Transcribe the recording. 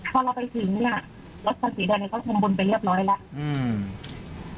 พอเราไปถึงเนี้ยรถฟันศรีด้านในก็ทำบุญไปเรียบร้อยแล้วอืม